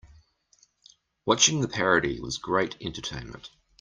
Watching the parody was great entertainment.